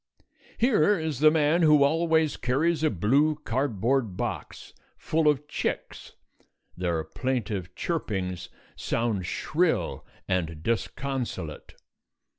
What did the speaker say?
Here is the man who always carries a blue cardboard box full of chicks. Their plaintive chirpings sound shrill and disconsolate.